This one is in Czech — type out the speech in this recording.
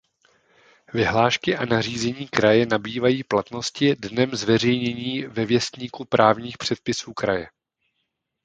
Vyhlášky a nařízení kraje nabývají platnosti dnem zveřejnění ve věstníku právních předpisů kraje.